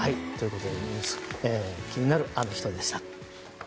気になるアノ人でした。